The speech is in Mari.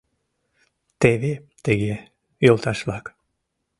Теве тыге, йолташ-влак...